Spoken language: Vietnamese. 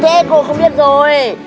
thế cô không biết rồi